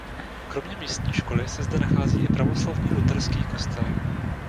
Kromě místní školy se zde nachází i pravoslavný luterský kostel.